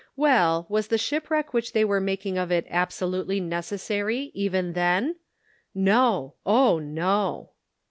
Well, was the ship wreck which they were making of it absolutely neccessary even then ? No ; oh, no